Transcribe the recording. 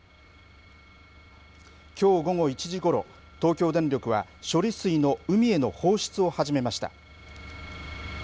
きょう午後１時ごろ、東京電力は処理水の海への放出を始めました。